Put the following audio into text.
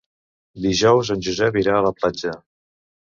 Dijous en Josep irà a la platja.